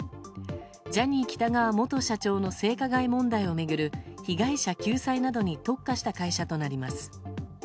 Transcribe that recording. ジャニー喜多川元社長の性加害問題を巡る被害者救済などに特化した会社となります。